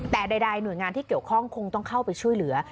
แต่ใดหน่วยงานที่เกี่ยวข้องคงต้องเข้าไปช่วยเหลือ